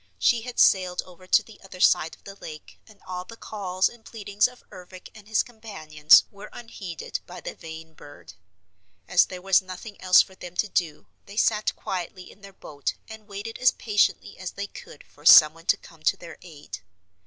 She had sailed over to the other side of the lake and all the calls and pleadings of Ervic and his companions were unheeded by the vain bird. As there was nothing else for them to do, they sat quietly in their boat and waited as patiently as they could for someone to come to their aid.